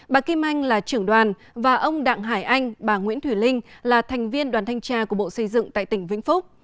bà kim anh là trưởng đoàn và ông đặng hải anh bà nguyễn thùy linh là thành viên đoàn thanh tra của bộ xây dựng tại tỉnh vĩnh phúc